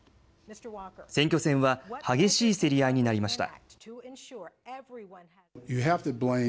選挙戦は激しい競り合いになりました。